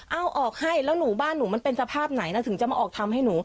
เอาออกให้แล้วหนูบ้านหนูมันเป็นสภาพไหนนะถึงจะมาออกทำให้หนู